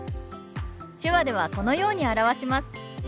手話ではこのように表します。